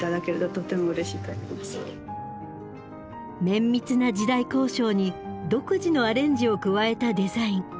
綿密な時代考証に独自のアレンジを加えたデザイン。